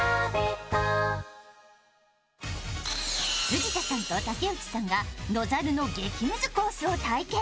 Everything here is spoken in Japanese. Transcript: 藤田さんと竹内さんがＮＯＺＡＲＵの激ムズコースを体験。